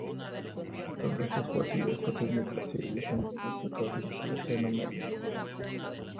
Los restos fósiles proceden de Brasil y están datados en el Paleoceno Medio.